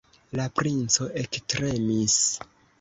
La princo ektremis.